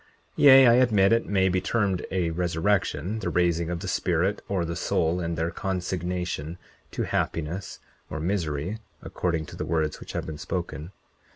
Yea, I admit it may be termed a resurrection, the raising of the spirit or the soul and their consignation to happiness or misery, according to the words which have been spoken.